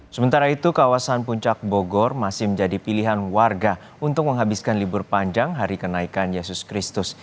sementara itu kawasan puncak bogor masih menjadi pilihan warga untuk menghabiskan libur panjang hari kenaikan yesus kristus